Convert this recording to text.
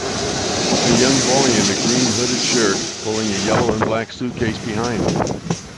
A young boy in a green hooded shirt pulling a yellow and black suitcase behind him.